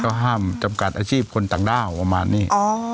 ก็ห้ามจำกัดอาชีพคนต่างด้าวประมาณนี้